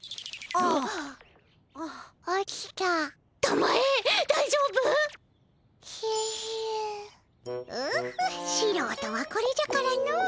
オホッしろうとはこれじゃからの。